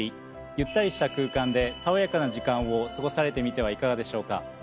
ゆったりした空間で「たおやかな」時間を過ごされてみてはいかがでしょうか。